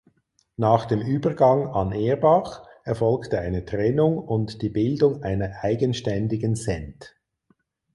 Nach dem Übergang an Erbach erfolgte eine Trennung und die Bildung einer eigenständigen Cent.